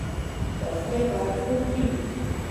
چوکۍ په هر کور کې وي.